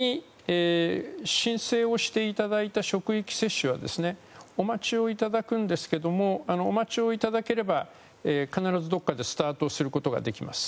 今までに申請をしていただいた職域接種はお待ちをいただくんですけどお待ちいただければ必ずどこかでスタートすることができます。